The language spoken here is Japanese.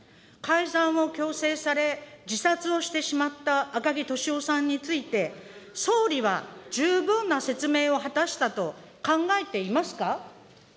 改ざんを強制され、自殺をしてしまった赤木俊夫さんについて、総理は十分な説明を果たしたと考えていますか。